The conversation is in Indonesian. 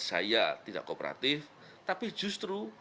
saya tidak kooperatif tapi justru